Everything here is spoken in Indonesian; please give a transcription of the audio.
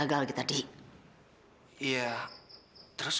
tante udah sepuluh an beres